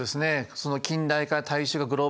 その近代化大衆化グローバル化。